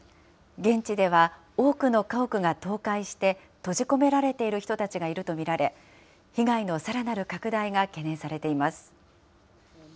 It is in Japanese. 現地では、多くの家屋が倒壊して、閉じ込められている人たちがいると見られ、被害のさらなる拡大が懸念されています。